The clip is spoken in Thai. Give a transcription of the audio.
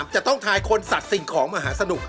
จะต้องทายคนสัตว์สิ่งของมหาสนุก